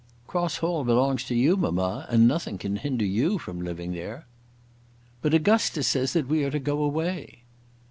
"Cross Hall belongs to you, mamma, and nothing can hinder you from living there." "But Augustus says that we are to go away."